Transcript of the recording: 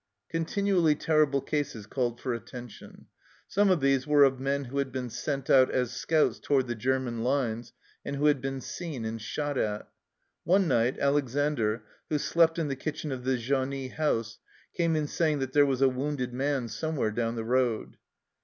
Continually terrible cases called for attention. Some of these were of men who had been sent out as scouts toward the German lines, and who had been seen and shot at. One night Alexandre, who slept in the kitchen of the genie house, came in saying that there was a wounded man somewhere down the road.